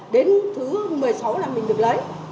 đến thứ một mươi sáu là mình được lấy